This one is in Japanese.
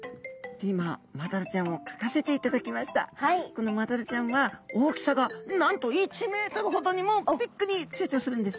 このマダラちゃんは大きさがなんと１ｍほどにもビッグに成長するんですね。